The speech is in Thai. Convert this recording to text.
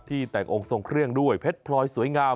แต่งองค์ทรงเครื่องด้วยเพชรพลอยสวยงาม